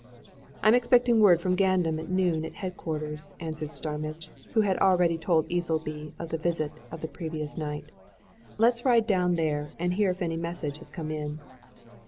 "I'm expecting word from Gandam at noon at headquarters," answered Starmidge, who had already told Easleby of the visit of the previous night. "Let's ride down there and hear if any message has come in."